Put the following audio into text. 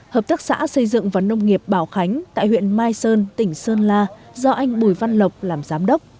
hợp tác xã xây dựng và nông nghiệp bảo khánh tại huyện mai sơn tỉnh sơn la do anh bùi văn lộc làm giám đốc